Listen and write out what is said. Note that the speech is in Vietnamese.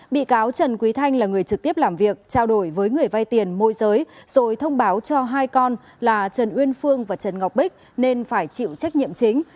bị cáo trần quý thanh là người trực tiếp làm việc trao đổi với người vay tiền môi giới rồi thông báo cho hai con là trần uyên phương và trần ngọc bích nên phải chịu trách nhiệm chính